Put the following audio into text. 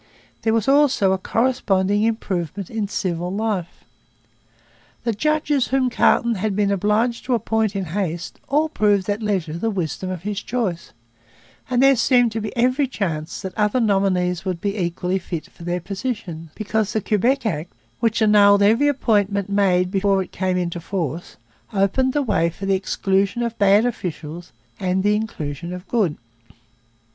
There was also a corresponding improvement in civil life. The judges whom Carleton had been obliged to appoint in haste all proved at leisure the wisdom of his choice; and there seemed to be every chance that other nominees would be equally fit for their positions, because the Quebec Act, which annulled every appointment made before it came into force, opened the way for the exclusion of bad officials and the inclusion of the good.